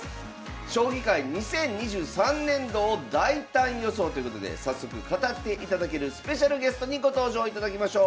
将棋界２０２３年度を大胆予想ということで早速語っていただけるスペシャルゲストにご登場いただきましょう。